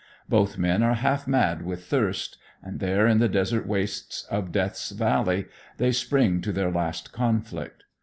Both men are half mad with thirst, and there in the desert wastes of Death's Valley, they spring to their last conflict.